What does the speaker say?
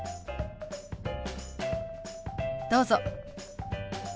どうぞ。